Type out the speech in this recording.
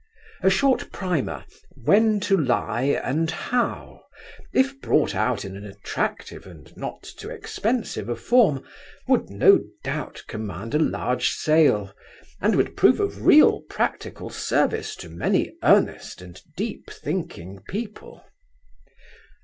A short primer, "When to Lie and How," if brought out in an attractive and not too expensive a form, would no doubt command a large sale, and would prove of real practical service to many earnest and deep thinking people.